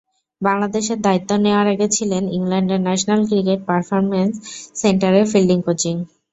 বাংলাদেশের দায়িত্ব নেওয়ার আগে ছিলেন ইংল্যান্ডের ন্যাশনাল ক্রিকেট পারফরম্যান্স সেন্টারের ফিল্ডিং কোচ।